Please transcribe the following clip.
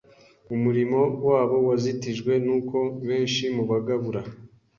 umurimo wabo wazitijwe n’uko benshi mu bagabura,